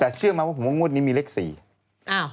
แต่เชื่อมาว่างว่างวดนี้มีเลข๔เลยนะฮะ